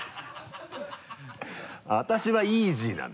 私はイージーなんだ。